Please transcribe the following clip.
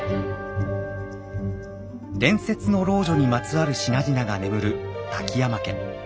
伝説の老女にまつわる品々が眠る瀧山家。